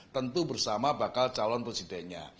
tentu bersama bakal calon presidennya